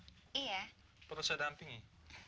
sebenarnya tidak ada yang perlu saya takutkan di dalam sana